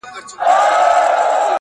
o له څه مودې راهيسي داسـي يـمـه؛